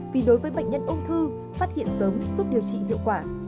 vì đối với bệnh nhân ung thư phát hiện sớm giúp điều trị hiệu quả